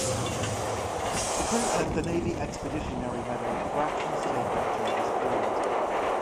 The crew earned the Navy Expeditionary Medal for actions taken during this period.